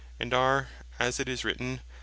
And are (as it is written, Deut.